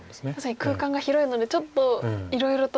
空間が広いのでちょっといろいろと外側が。